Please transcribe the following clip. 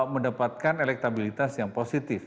mendapatkan elektabilitas yang positif